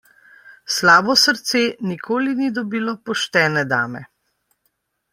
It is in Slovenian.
Slabo srce nikoli ni dobilo poštene dame.